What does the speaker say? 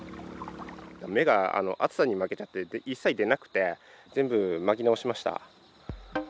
芽が暑さに負けちゃって一切出なくて、全部まき直しました。